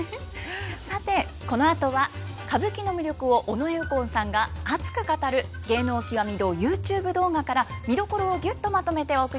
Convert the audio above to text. さてこのあとは歌舞伎の魅力を尾上右近さんが熱く語る「芸能きわみ堂」ＹｏｕＴｕｂｅ動画から見どころをギュッとまとめてお送りします。